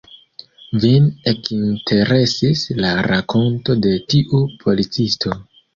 Vin ekinteresis la rakonto de tiu policisto.